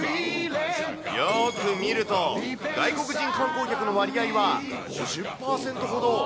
よーく見ると、外国人観光客の割合は５０％ほど。